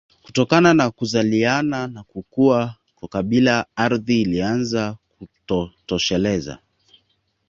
Kutokana na kuzaliana na kukua kwa kabila ardhi ilianza kutotosheleza